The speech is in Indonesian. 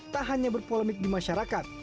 tak hanya berpolemik di masyarakat